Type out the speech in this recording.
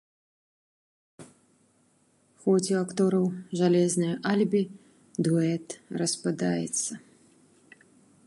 Хоць у актораў жалезнае алібі, дуэт распадаецца.